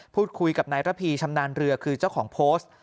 พูดคุยกับนายระพีชำนาญเรือคือเจ้าของโพสต์